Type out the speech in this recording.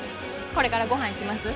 これからご飯行きます？